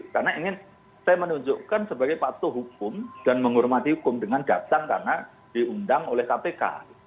karena ingin saya menunjukkan sebagai patuh hukum dan menghormati hukum dengan datang karena diundang oleh kpk